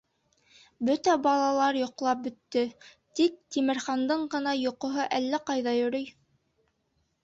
Бөтә балалар йоҡлап бөттө, тик Тимерхандың ғына йоҡоһо әллә ҡайҙа йөрөй?